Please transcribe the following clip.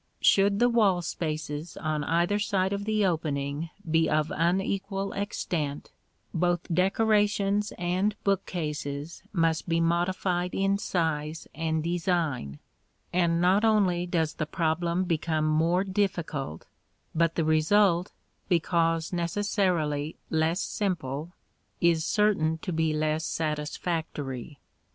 Should the wall spaces on either side of the opening be of unequal extent, both decorations and bookcases must be modified in size and design; and not only does the problem become more difficult, but the result, because necessarily less simple, is certain to be less satisfactory.